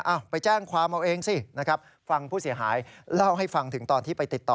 เอาไปแจ้งความเอาเองสินะครับฟังผู้เสียหายเล่าให้ฟังถึงตอนที่ไปติดต่อ